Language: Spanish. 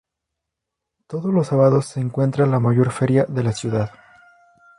Todos los sábados se encuentra la mayor feria de la ciudad.